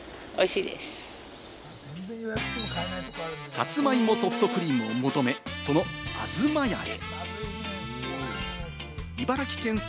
さつまいもソフトクリームを求め、そのあづまやへ。